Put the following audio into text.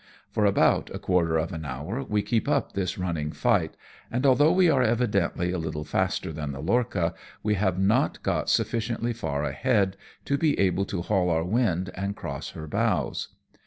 For about a quarter of an hour we keep up this running fight, and although we are evidently a little faster than the lorcha, we have not got sufficiently far ahead to be able to haul our wind and cross her bows.